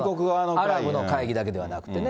アラブの会議だけではなくてね。